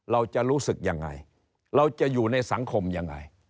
เราจะรู้สึกยังไงเราจะอยู่ในสังคมยังไง